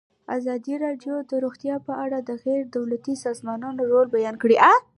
ازادي راډیو د روغتیا په اړه د غیر دولتي سازمانونو رول بیان کړی.